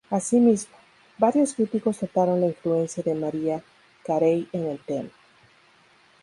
Asimismo, varios críticos notaron la influencia de Mariah Carey en el tema.